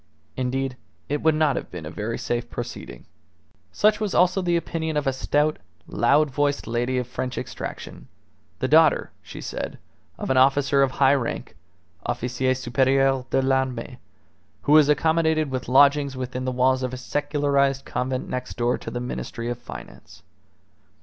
Indeed, it would not have been a very safe proceeding. Such was also the opinion of a stout, loud voiced lady of French extraction, the daughter, she said, of an officer of high rank (officier superieur de l'armee), who was accommodated with lodgings within the walls of a secularized convent next door to the Ministry of Finance.